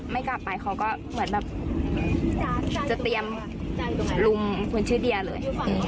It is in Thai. ไม่กลับไปเขาก็เหมือนแบบจะเตรียมลุมคนชื่อเดียเลย